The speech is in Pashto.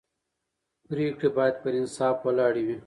پرېکړې باید پر انصاف ولاړې وي